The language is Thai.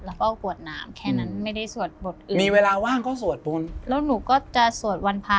แล้วก็ปวดน้ำแค่นั้นไม่ได้สวดบทอื่นมีเวลาว่างก็สวดมนต์แล้วหนูก็จะสวดวันพระ